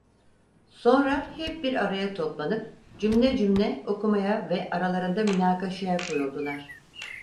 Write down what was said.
Sonra hep bir araya toplanıp cümle cümle okumaya ve aralarında münakaşaya koyuldular.